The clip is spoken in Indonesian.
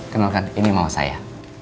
kenalkan ini mama saya